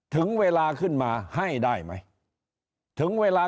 ถึงเวลาขึ้นมาให้ได้ไหมถึงเวลา